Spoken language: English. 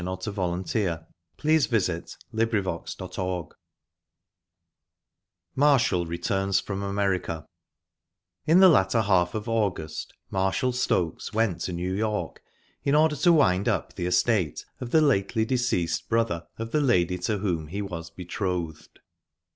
au The Haunted Woman David Lindsay Chapter I MARSHALL RETURNS FROM AMERICA In the latter half of August, Marshall Stokes went to New York, in order to wind up the estate of the lately deceased brother of the lady to whom he was betrothed.